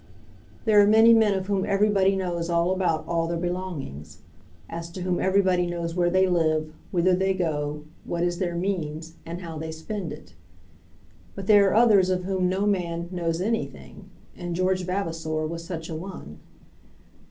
There are many men of whom everybody knows all about all their belongings; as to whom everybody knows where they live, whither they go, what is their means, and how they spend it. But there are others of whom no man knows anything, and George Vavasor was such a one.